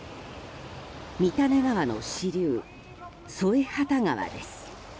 三種川の支流、添畑川です。